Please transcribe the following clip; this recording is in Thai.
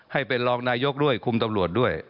ให้เป็นรองนายกด้วยคุมตำรวจด้วย